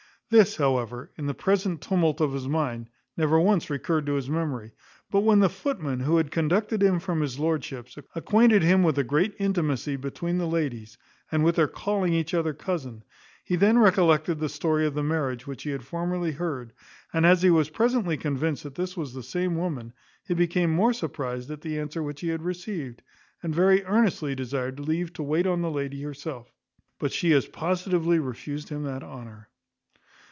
This, however, in the present tumult of his mind, never once recurred to his memory; but when the footman, who had conducted him from his lordship's, acquainted him with the great intimacy between the ladies, and with their calling each other cousin, he then recollected the story of the marriage which he had formerly heard; and as he was presently convinced that this was the same woman, he became more surprized at the answer which he had received, and very earnestly desired leave to wait on the lady herself; but she as positively refused him that honour.